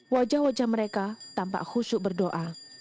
wajah wajah mereka tampak khusyuk berdoa